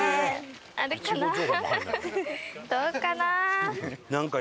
どうかな？